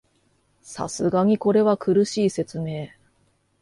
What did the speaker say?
さすがにこれは苦しい説明